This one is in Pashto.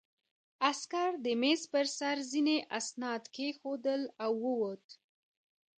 عسکر د مېز په سر ځینې اسناد کېښودل او ووت